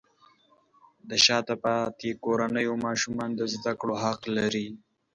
د شاته پاتې کورنیو ماشومان د زده کړې حق لري.